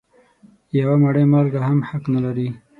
یوه مړۍ مالګه هم حق لري.